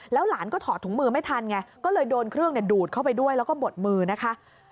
หลานก็ถอดถุงมือไม่ทันไงก็เลยโดนเครื่องดูดเข้าไปด้วยแล้วก็บดมือนะคะ